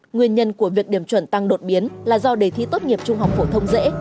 nguyên nhân của việc điểm chuẩn tăng đột biến là do đề thi tốt nghiệp trung học phổ thông dễ